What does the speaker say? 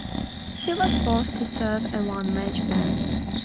He was forced to serve a one-match ban.